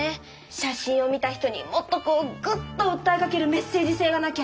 写真を見た人にもっとこうグッとうったえかけるメッセージせいがなきゃ！